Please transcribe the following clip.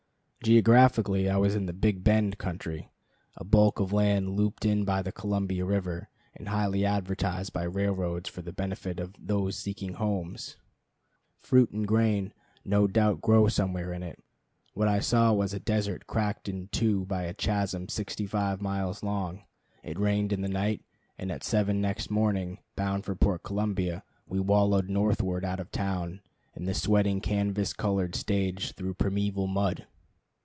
Geographically I was in the "Big Bend" country, a bulk of land looped in by the Columbia River, and highly advertised by railroads for the benefit of "those seeking homes." Fruit and grain no doubt grow somewhere in it. What I saw was a desert cracked in two by a chasm sixty five miles long. It rained in the night, and at seven next morning, bound for Port Columbia, we wallowed northward out of town in the sweating canvas covered stage through primeval mud.